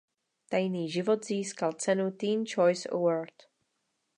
Tajný život získal cenu Teen Choice Award.